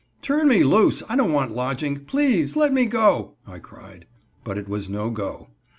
"Turn me loose, I don't want lodging. Please let me go," I cried. But it was no go.